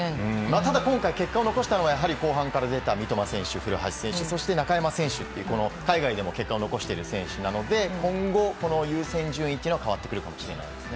ただ今回、結果を残したのは、やはり後半から出た三笘選手、古橋選手、そして中山選手っていう、海外でも結果を残している選手なので、今後、この優先順位というのは変わってくるかもしれないですね。